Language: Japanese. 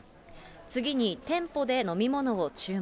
次に店舗で飲み物を注文。